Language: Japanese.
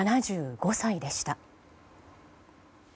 ７５歳でした。